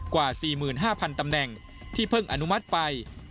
กว่า๔๕๐๐ตำแหน่งที่เพิ่งอนุมัติไป